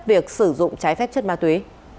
việc sử dụng trái phép chất ma túy